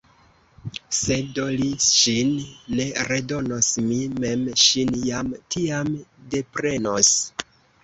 Se do li ŝin ne redonos, mi mem ŝin jam tiam deprenos.